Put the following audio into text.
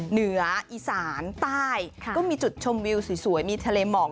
เหนืออีสานใต้ก็มีจุดชมวิวสวยมีทะเลหมอก